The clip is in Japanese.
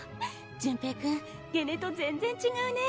潤平君ゲネと全然違うね。